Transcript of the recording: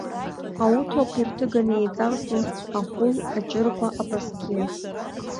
Ауҭрақәа ирҭыган еиҵарҵон, ахәл, аҷыркәа, апрасқьиа.